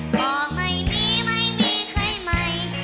ก็ไม่มีไม่มีใครใหม่